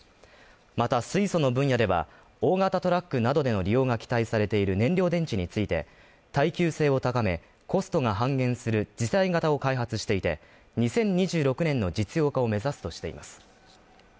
また水素の分野では、大型トラックなどでの利用が期待されている燃料電池について、耐久性を高め、コストが半減する次世代型を開発していて、２０２６年の実用化を目指すとしています。